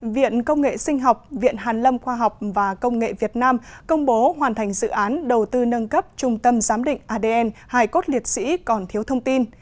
viện công nghệ sinh học viện hàn lâm khoa học và công nghệ việt nam công bố hoàn thành dự án đầu tư nâng cấp trung tâm giám định adn hai cốt liệt sĩ còn thiếu thông tin